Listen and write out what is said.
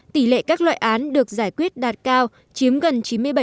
tỷ lệ các loại án được giải quyết đạt cao chiếm gần chín mươi bảy